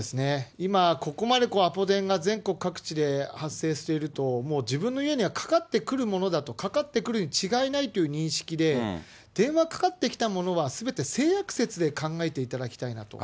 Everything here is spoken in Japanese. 今、ここまでこうアポ電が全国各地で発生していると、もう自分の家にはかかってくるものだと、かかってくるに違いないという認識で、電話かかってきたものは、すべて性悪説で考えていただきたいなと。